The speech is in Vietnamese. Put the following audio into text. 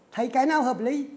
thấy cái nào hợp lý